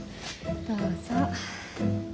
どうぞ。